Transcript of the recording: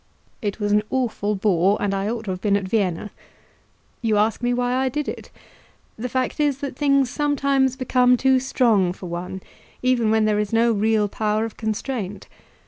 It was an awful bore, and I ought to have been at Vienna. You ask me why I did it. The fact is that things sometimes become too strong for one, even when there is no real power of constraint.